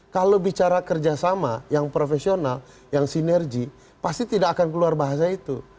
kalau bicara kerjasama yang profesional yang sinergi pasti tidak akan keluar bahasa itu